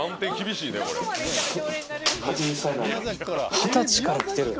二十歳から来てる！